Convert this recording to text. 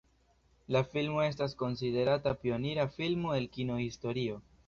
La filmo estas konsiderata pionira filmo el kino-historio.